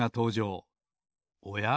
おや？